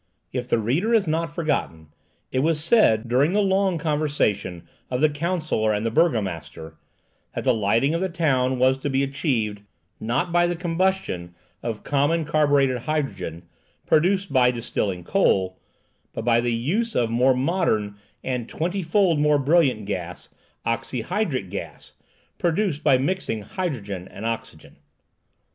If the reader has not forgotten, it was said, during the long conversation of the counsellor and the burgomaster, that the lighting of the town was to be achieved, not by the combustion of common carburetted hydrogen, produced by distilling coal, but by the use of a more modern and twenty fold more brilliant gas, oxyhydric gas, produced by mixing hydrogen and oxygen.